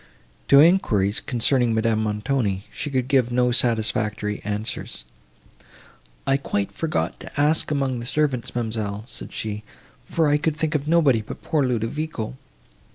To enquiries, concerning Madame Montoni, she could give no satisfactory answers. "I quite forgot to ask among the servants, ma'amselle," said she, "for I could think of nobody but poor Ludovico."